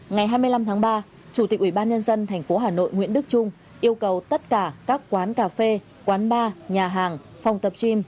ngày hai mươi năm tháng ba chủ tịch ubnd tp hà nội nguyễn đức trung yêu cầu tất cả các quán cà phê quán bar nhà hàng phòng tập gym